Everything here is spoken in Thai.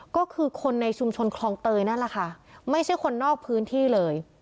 ก็คือคนในชุมชนคลองเตยนั่นแหละค่ะไม่ใช่คนนอกพื้นที่เลย